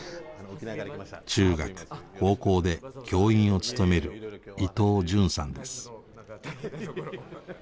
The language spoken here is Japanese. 中学高校で教員を務める伊藤潤さんです。